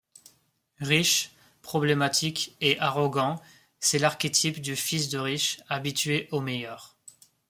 Riche, problématique et arrogant, c'est l'archétype du fils de riche habitué au meilleur.